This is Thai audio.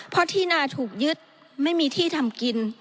เพราะที่นาถูกยึดไม่มีที่ทำกิน